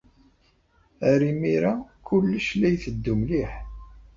Ar imir-a, kullec la itteddu mliḥ.